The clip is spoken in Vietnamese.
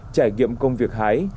trải nghiệm công việc hái